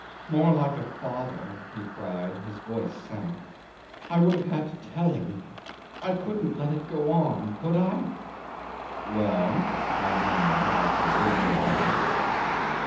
... "More like a father," he cried; his voice sank. "I would have had to tell him. I couldn't let it go on could I?" "Well?" I murmured, after waiting a while.